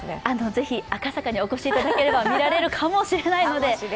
ぜひ赤坂にお越しいただければ見られるかもしれないので。